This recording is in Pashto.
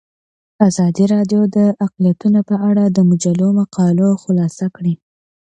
ازادي راډیو د اقلیتونه په اړه د مجلو مقالو خلاصه کړې.